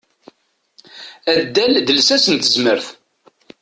Addal d lsas n tezmert.